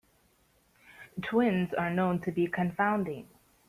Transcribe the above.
Twins are known to be confounding.